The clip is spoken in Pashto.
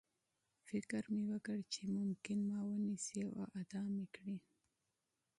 فکر مې وکړ چې ممکن ما ونیسي او اعدام مې کړي